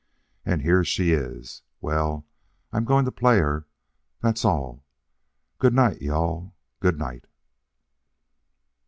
And here she is. Well, I'm going to play her, that's all. Good night, you all; good night."